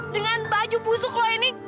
dengan baju busuk loh ini